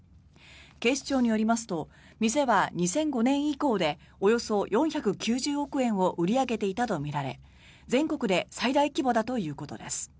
警視庁によりますと店は２００５年以降でおよそ４９０億円を売り上げていたとみられ全国で最大規模だということです。